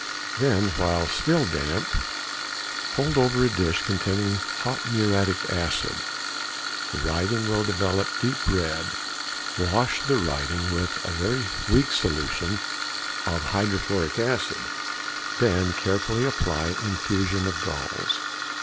Then, while still damp, hold over a dish containing hot muriatic acid; the writing will develop deep red. |165| (2.) Wash the writing with a very weak solution of hydrochloric acid, then carefully apply infusion of galls.